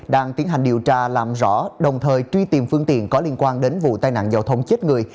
đang tiến hành điều tra làm rõ đồng thời truy tìm phương tiện có liên quan đến vụ tai nạn giao thông chết người